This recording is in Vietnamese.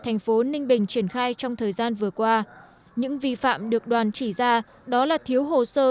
thành phố ninh bình triển khai trong thời gian vừa qua những vi phạm được đoàn chỉ ra đó là thiếu hồ sơ